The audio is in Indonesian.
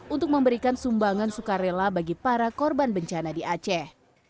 untuk memberikan sumbangan sukarela bagi para korban bencana di aceh